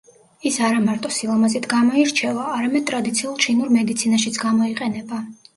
ის არამარტო სილამაზით გამოირჩევა, არამედ ტრადიციულ ჩინურ მედიცინაშიც გამოიყენება.